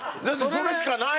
それしかない。